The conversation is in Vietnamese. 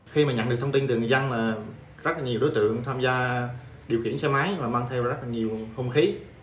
khi mà nhận được thông tin từ người dân là rất là nhiều đối tượng tham gia điều khiển xe máy và mang theo rất là nhiều hung khí